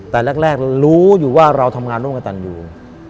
แต่แรกรู้อยู่ว่าเราทำงานร่วมกับตันอยู่